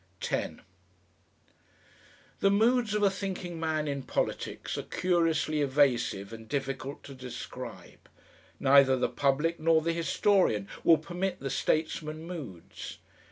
10 The moods of a thinking man in politics are curiously evasive and difficult to describe. Neither the public nor the historian will permit the statesman moods.